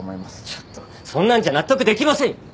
ちょっとそんなんじゃ納得できませんよ。